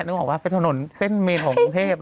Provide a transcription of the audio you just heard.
นึกออกว่าเป็นถนนเส้นเมนของกรุงเทพ